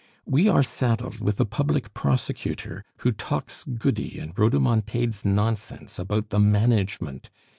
We are saddled with a public prosecutor who talks goody, and rhodomontades nonsense about the management.